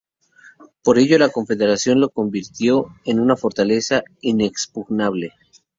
Por ello la Confederación la convirtió en una fortaleza inexpugnable.